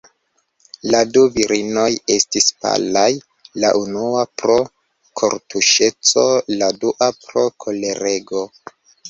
La du virinoj estis palaj, la unua pro kortuŝeco, la dua pro kolerego.